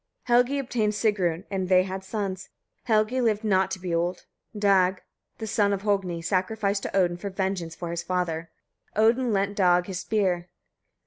Helgi obtained Sigrun, and they had sons. Helgi lived not to be old. Dag, the son of Hogni, sacrificed to Odin, for vengeance for his father. Odin lent Dag his spear.